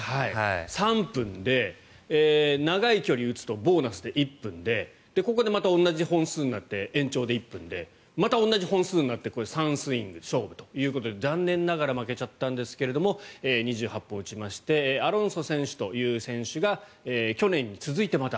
３分で長い距離を打つとボーナスで１分でここでまた同じ本数になって延長で１分でまた同じ本数になって３スイング勝負ということで残念ながら負けちゃったんですが２８本打ちましてアロンソ選手という選手が去年に続いてまた。